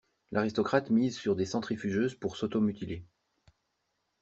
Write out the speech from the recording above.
L'aristocrate mise sur des centrifugeuses pour s'auto-mutiler.